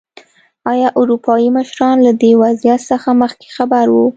ایا اروپايي مشران له دې وضعیت څخه مخکې خبر وو.